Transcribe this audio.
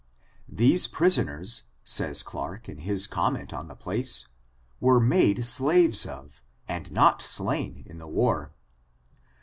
These prisoners, says Clarke in his com ment on the place, were made slaves of, and not slain in the war.